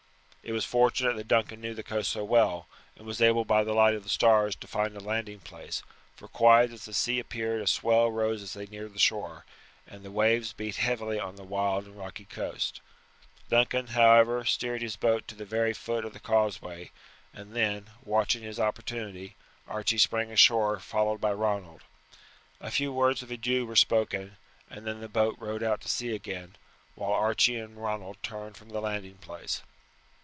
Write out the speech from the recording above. It was fortunate that Duncan knew the coast so well, and was able by the light of the stars to find a landing place, for quiet as the sea appeared a swell rose as they neared the shore, and the waves beat heavily on the wild and rocky coast. Duncan, however, steered his boat to the very foot of the Causeway, and then, watching his opportunity, Archie sprang ashore followed by Ronald. A few words of adieu were spoken, and then the boat rowed out to sea again, while Archie and Ronald turned away from the landing place.